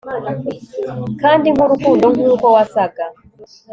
kandi nkurukundo nkuko wasaga